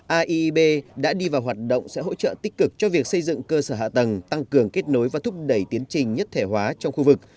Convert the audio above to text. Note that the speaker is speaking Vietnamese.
aib đã đi vào hoạt động sẽ hỗ trợ tích cực cho việc xây dựng cơ sở hạ tầng tăng cường kết nối và thúc đẩy tiến trình nhất thể hóa trong khu vực